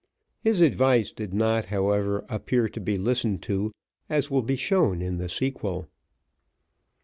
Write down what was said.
His advice did not, however, appear to be listened to, as will be shown in the sequel.